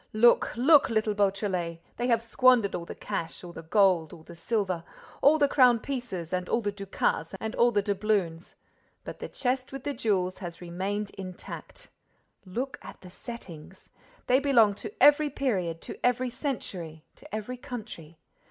"Look, look, little Beautrelet! They have squandered all the cash, all the gold, all the silver, all the crown pieces and all the ducats and all the doubloons; but the chest with the jewels has remained intact. Look at the settings. They belong to every period, to every century, to every country.